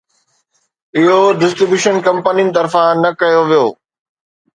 اهو ڊسٽريبيوشن ڪمپنين طرفان نه ڪيو ويو